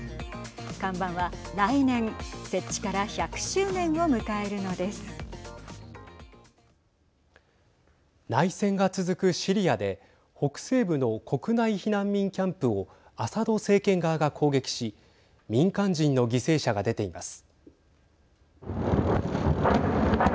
看板は来年設置から内戦が続くシリアで北西部の国内避難民キャンプをアサド政権側が攻撃し民間人の犠牲者が出ています。